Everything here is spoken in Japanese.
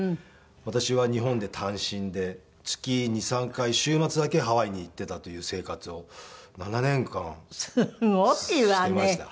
私は日本で単身で月２３回週末だけハワイに行っていたという生活を７年間してました。